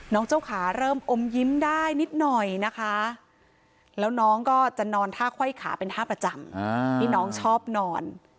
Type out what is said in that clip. เจ้าขาเริ่มอมยิ้มได้นิดหน่อยนะคะแล้วน้องก็จะนอนท่าไขว้ขาเป็นท่าประจำที่น้องชอบนอน